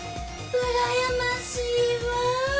うらやましいわ！